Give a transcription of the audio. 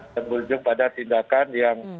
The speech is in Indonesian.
terbunjuk pada tindakan yang